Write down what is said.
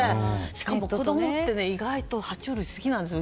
しかも、子供って意外と爬虫類好きなんだよね。